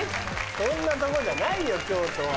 そんなとこじゃないよ京都は。